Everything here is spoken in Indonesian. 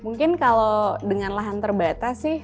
mungkin kalau dengan lahan terbatas sih